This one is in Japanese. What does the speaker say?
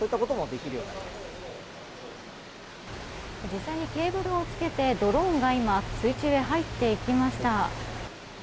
実際にケーブルをつけてドローンが水中へ入っていきました。